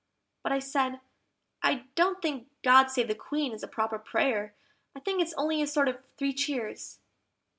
But I said, "I don't think 'GOD save the Queen' is a proper prayer, I think it's only a sort of three cheers."